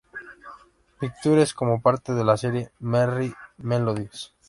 Pictures, como parte de la serie "Merrie Melodies".